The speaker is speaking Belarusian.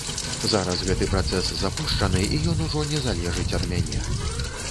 Зараз гэты працэс запушчаны, і ён ужо не залежыць ад мяне.